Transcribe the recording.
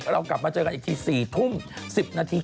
เรากลับมาเจอกันอีกที๔ทุ่ม๑๐นาที